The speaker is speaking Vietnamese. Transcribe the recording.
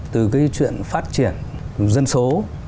từ cái chuyện phát triển dân số